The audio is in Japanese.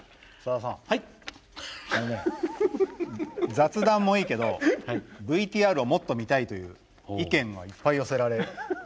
「雑談もいいけどＶＴＲをもっと見たい」という意見がいっぱい寄せられてるらしいんですよ。